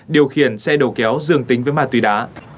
điều khiển xe đầu kéo dường tính với ma túy đá